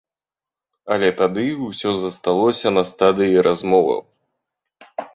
Але тады ўсё засталося на стадыі размоваў.